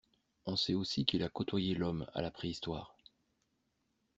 On sait aussi qu’il a côtoyé l’homme à la préhistoire.